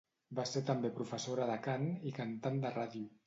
Va ser també professora de cant i cantant de ràdio.